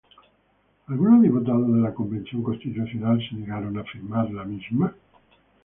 ¿Algunos diputados de la Convención Constitucional se negaron a firmar la Constitución?